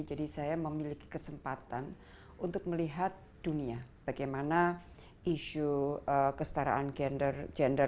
jadi saya memiliki kesempatan untuk melihat dunia bagaimana isu kesetaraan gender